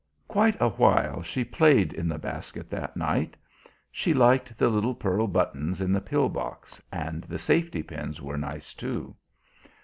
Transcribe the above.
Quite a while she played in the basket that night. She liked the little pearl buttons in the pill box, and the safety pins were nice too.